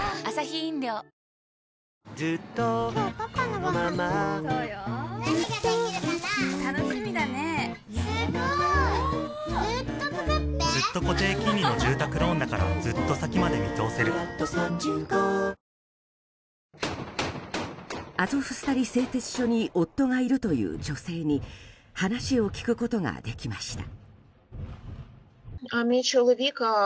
アゾフスタリ製鉄所に夫がいるという女性に話を聞くことができました。